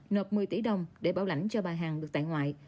nộp một mươi tỷ đồng để bảo lãnh cho bà hằng được tại ngoại